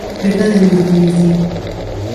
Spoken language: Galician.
Perda de neuropediatría.